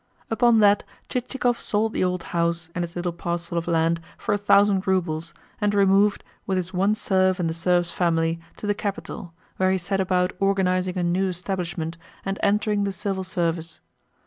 Upon that Chichikov sold the old house and its little parcel of land for a thousand roubles, and removed, with his one serf and the serf's family, to the capital, where he set about organising a new establishment and entering the Civil Service.